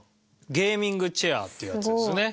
ゲーミングチェアっていうやつですね。